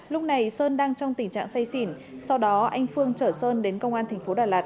lúc này sơn đang trong tình trạng say xỉn sau đó anh phương trở sơn đến công an tp đà lạt